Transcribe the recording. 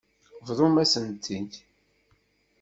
Bḍumt-asen-t-id.